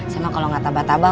sama kalau gak taba taba